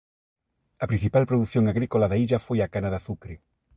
A principal produción agrícola da illa foi a cana de azucre.